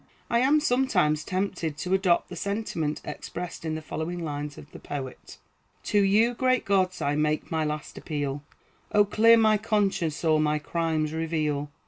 I am sometimes tempted to adopt the sentiment expressed in the following lines of the poet: "To you, great gods, I make my last appeal; O, clear my conscience, or my crimes reveal!